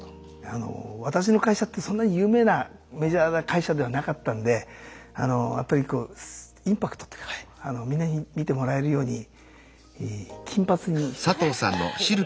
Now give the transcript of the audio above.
私の会社ってそんなに有名なメジャーな会社ではなかったんでやっぱりこうインパクトっていうかみんなにそうなんだ！